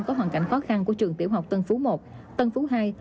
có hoàn cảnh khó khăn của trường tiểu học tân phú i tân phú ii